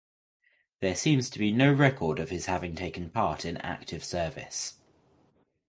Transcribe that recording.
There seems to be no record of his having taken part in active service.